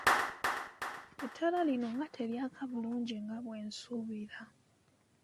Ettala lino nga teryaka bulungi nga bwe nsuubira.